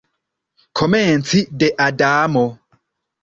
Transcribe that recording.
Komenci de Adamo.